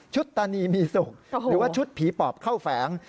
ตานีมีสุขหรือว่าชุดผีปอบเข้าแฝง